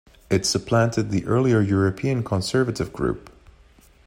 It supplanted the earlier European Conservative Group.